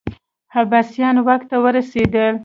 عباسیان واک ته ورسېدل